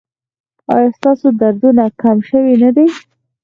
ایا ستاسو دردونه کم شوي نه دي؟